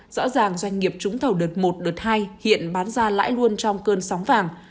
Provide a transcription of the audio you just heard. rõ ràng doanh nghiệp trúng thầu đợt một đợt hai hiện bán ra lãi luôn trong cơn sóng vàng